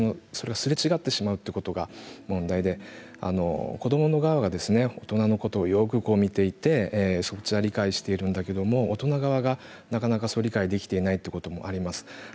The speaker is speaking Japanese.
それがすれ違ってしまうということが問題で子ども側が大人のことをよく見ていてそっちは理解しているんだけれども大人側がなかなか理解していないということもあります。